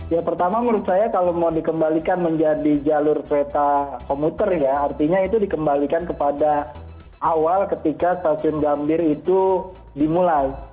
ya pertama menurut saya kalau mau dikembalikan menjadi jalur kereta komuter ya artinya itu dikembalikan kepada awal ketika stasiun gambir itu dimulai